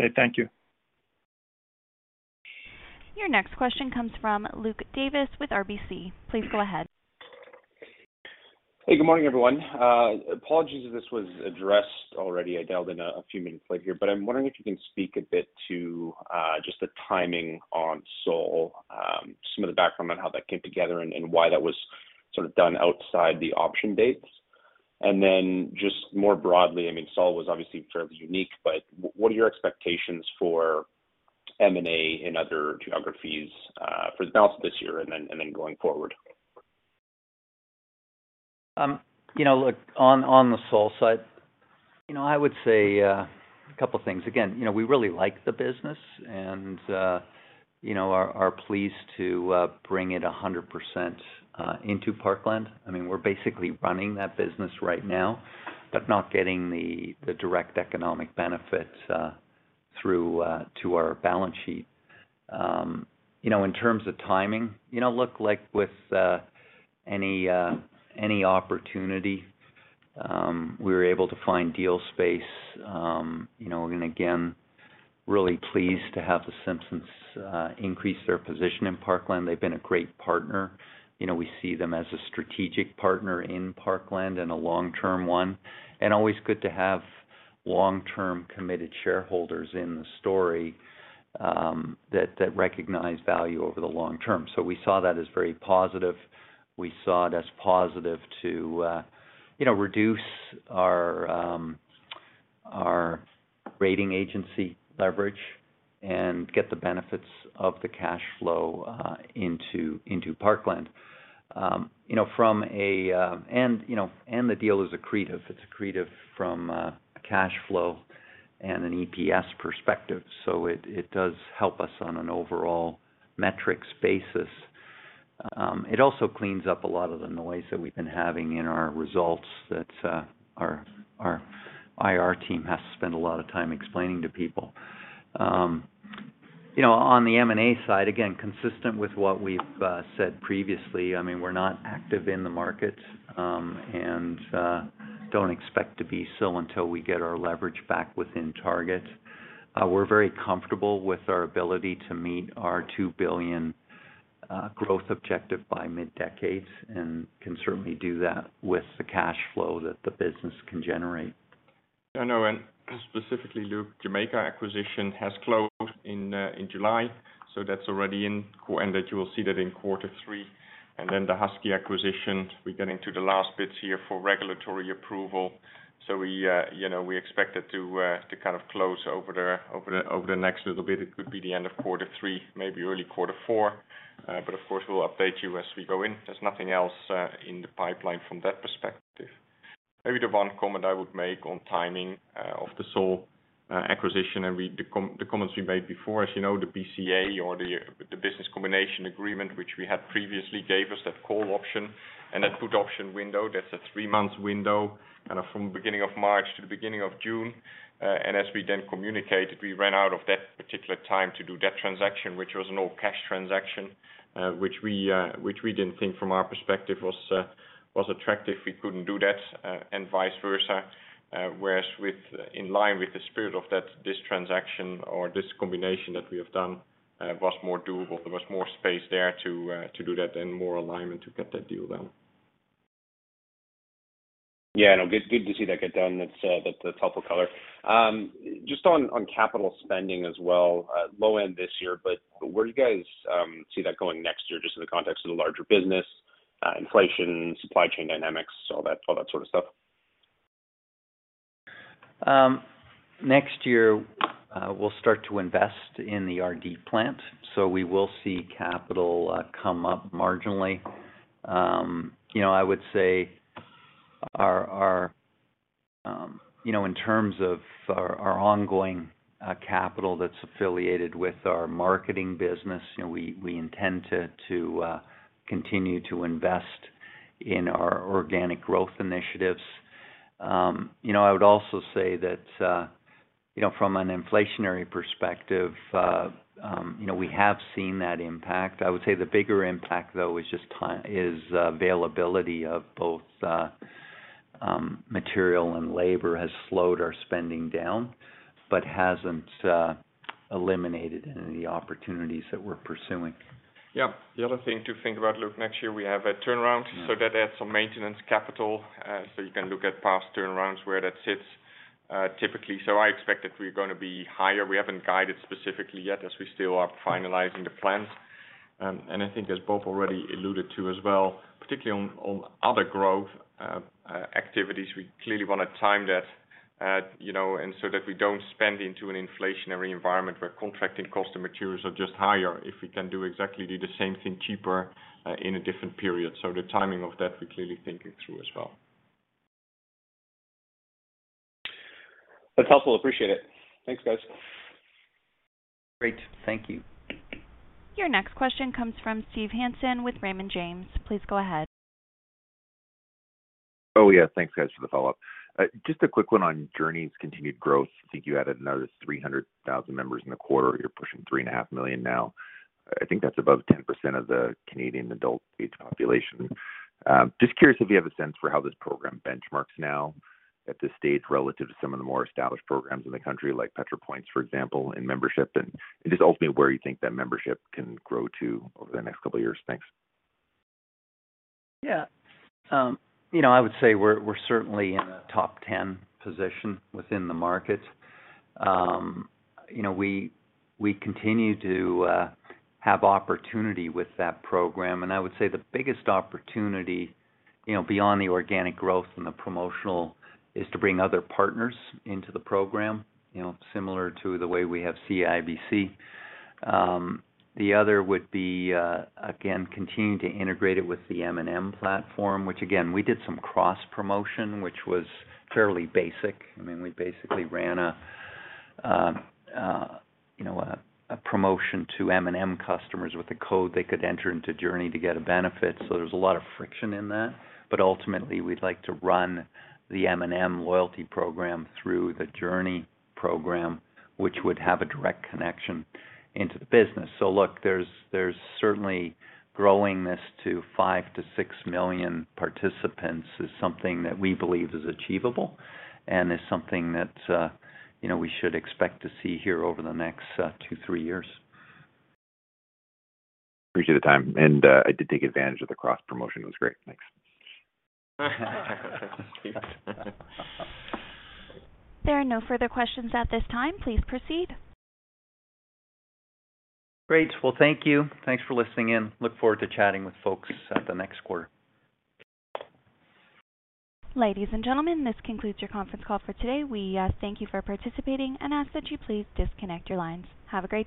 Okay, thank you. Your next question comes from Luke Davis with RBC. Please go ahead. Hey, good morning, everyone. Apologies if this was addressed already. I dialed in a few minutes late here, but I'm wondering if you can speak a bit to just the timing on Sol, some of the background on how that came together and why that was sort of done outside the option dates. Then just more broadly, I mean, Sol was obviously fairly unique, but what are your expectations for M&A in other geographies, for the balance of this year and then going forward? You know, look, on the Sol side, you know, I would say a couple of things. Again, you know, we really like the business and, you know, are pleased to bring it 100% into Parkland. I mean, we're basically running that business right now, but not getting the direct economic benefits through to our balance sheet. You know, in terms of timing, you know, look like with any opportunity, we're able to find deal space, you know, and again, really pleased to have the Simpson family increase their position in Parkland. They've been a great partner. You know, we see them as a strategic partner in Parkland and a long-term one. Always good to have long-term committed shareholders in the story that recognize value over the long term. We saw that as very positive. We saw it as positive to reduce our rating agency leverage and get the benefits of the cash flow into Parkland. The deal is accretive. It's accretive from a cash flow and an EPS perspective. It does help us on an overall metrics basis. It also cleans up a lot of the noise that we've been having in our results that our IR team has to spend a lot of time explaining to people. On the M&A side, again, consistent with what we've said previously, I mean, we're not active in the market and don't expect to be so until we get our leverage back within target. We're very comfortable with our ability to meet our 2 billion growth objective by mid-decade and can certainly do that with the cash flow that the business can generate. I know, and specifically, Luke, Jamaica acquisition has closed in July, so that's already in, and that you will see that in quarter three. Then the Husky acquisition, we're getting to the last bits here for regulatory approval. We, you know, we expect it to kind of close over the next little bit. It could be the end of quarter three, maybe early quarter four. Of course, we'll update you as we go in. There's nothing else in the pipeline from that perspective. Maybe the one comment I would make on timing, of the Sol acquisition and the comments we made before, as you know, the BCA or the business combination agreement which we had previously gave us that call option and that put option window, that's a three-month window, kind of, from beginning of March to the beginning of June. As we then communicated, we ran out of that particular time to do that transaction, which was an all cash transaction, which we didn't think from our perspective was attractive. We couldn't do that, and vice versa. Whereas, in line with the spirit of that, this transaction or this combination that we have done, was more doable. There was more space there to do that and more alignment to get that deal done. Yeah, no, good to see that get done. That's helpful color. Just on capital spending as well, low end this year, but where do you guys see that going next year just in the context of the larger business, inflation, supply chain dynamics, all that sort of stuff? Next year, we'll start to invest in the RD plant, so we will see capital come up marginally. You know, I would say our ongoing capital that's affiliated with our marketing business. You know, we intend to continue to invest in our organic growth initiatives. You know, I would also say that, you know, from an inflationary perspective, you know, we have seen that impact. I would say the bigger impact, though, is just availability of both material and labor has slowed our spending down, but hasn't eliminated any opportunities that we're pursuing. Yeah. The other thing to think about, Luke, next year we have a turnaround, so that adds some maintenance capital. You can look at past turnarounds where that sits, typically. I expect that we're gonna be higher. We haven't guided specifically yet as we still are finalizing the plans. I think as Bob already alluded to as well, particularly on other growth activities, we clearly wanna time that, you know, and so that we don't spend into an inflationary environment where contracting cost and materials are just higher. If we can do exactly the same thing cheaper, in a different period. The timing of that, we're clearly thinking through as well. That's helpful. Appreciate it. Thanks, guys. Great. Thank you. Your next question comes from Steve Hansen with Raymond James. Please go ahead. Oh, yeah. Thanks, guys, for the follow-up. Just a quick one on Journie's continued growth. I think you added another 300,000 members in the quarter. You're pushing 3.5 million now. I think that's above 10% of the Canadian adult age population. Just curious if you have a sense for how this program benchmarks now at this stage relative to some of the more established programs in the country, like Petro-Points, for example, in membership. Just ultimately where you think that membership can grow to over the next couple of years. Thanks. Yeah. You know, I would say we're certainly in a top ten position within the market. You know, we continue to have opportunity with that program. I would say the biggest opportunity, you know, beyond the organic growth and the promotional is to bring other partners into the program, you know, similar to the way we have CIBC. The other would be, again, continuing to integrate it with the M&M platform, which again, we did some cross promotion, which was fairly basic. I mean, we basically ran a promotion to M&M customers with a code they could enter into Journie to get a benefit. There's a lot of friction in that. Ultimately, we'd like to run the M&M loyalty program through the Journie program, which would have a direct connection into the business. Look, there's certainly growing this to 5 million-6 million participants is something that we believe is achievable and is something that, you know, we should expect to see here over the next two-three years. Appreciate the time. I did take advantage of the cross promotion. It was great. Thanks. There are no further questions at this time. Please proceed. Great. Well, thank you. Thanks for listening in. Look forward to chatting with folks at the next quarter. Ladies and gentlemen, this concludes your conference call for today. We thank you for participating and ask that you please disconnect your lines. Have a great day.